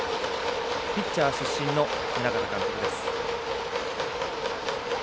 ピッチャー出身の宗像監督です。